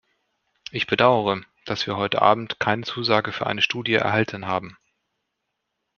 Ich bedaure, dass wir heute abend keine Zusage für eine Studie erhalten haben.